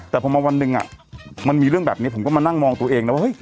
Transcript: แต่พอมาวันหนึ่งมันมีเรื่องแบบนี้ผมก็มานั่งมองตัวเองนะว่าเฮ้ย